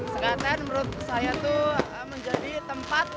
sekaten menurut saya itu menjadi tempat